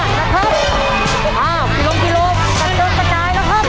มานะครับอ่าพกิโลจัดทรงกระจายนะครับ